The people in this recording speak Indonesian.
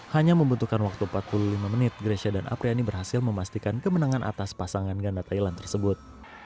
hanya membutuhkan waktu empat puluh lima menit grecia dan apriani berhasil memastikan kemenangan atas pasangan ganda thailand tersebut